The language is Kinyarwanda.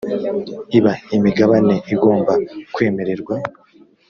iba imigabane igomba kwemererwa